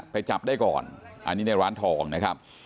ไปจับได้ก่อนอันนี้ในร้านทองนะครับ